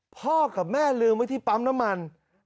พ่อกับแม่ลืมไว้ที่ปั๊มน้ำมัน